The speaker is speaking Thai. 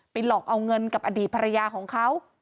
หลอกเอาเงินกับอดีตภรรยาของเขา